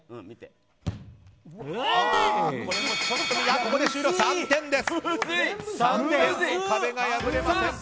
ここで終了、３点です。